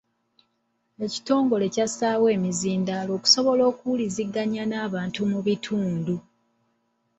Ekitongole kyassaawo emizindaalo okusobola okuwuliziganya n'abantu mu bitundu.